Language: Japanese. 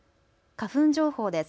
花粉情報です。